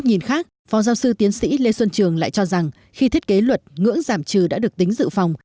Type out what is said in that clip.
nhìn khác phó giáo sư tiến sĩ lê xuân trường lại cho rằng khi thiết kế luật ngưỡng giảm trừ đã được tính dự phòng